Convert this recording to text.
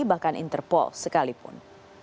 bahkan interpol sekalipun